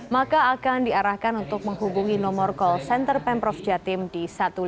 maka akan diarahkan untuk menghubungi nomor call center pemprov jatim di satu lima satu satu tujuh